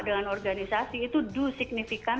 dengan organisasi itu do signifikan